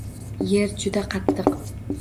Yer juda qattiq –